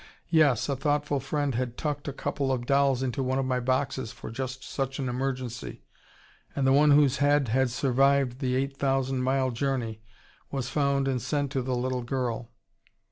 Yes, a thoughtful friend had tucked a couple of dolls into one of my boxes for just such an emergency, and the one whose head had survived the eight thousand mile journey was found and sent to the little girl.